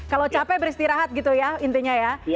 kalau capek beristirahat gitu ya intinya ya